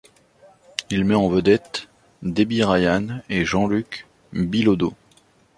Il met en vedette Debby Ryan et Jean-Luc Bilodeau.